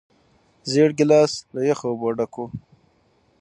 زېړ ګیلاس له یخو اوبو نه ډک و.